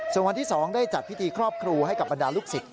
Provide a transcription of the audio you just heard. ส่วนวันที่๒ได้จัดพิธีครอบครูให้กับบรรดาลูกศิษย